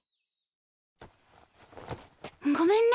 ごめんね。